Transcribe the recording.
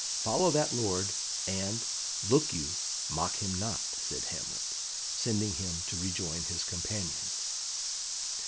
Follow that lord, and, look you, mock him not," said Hamlet, sending him to rejoin his companions.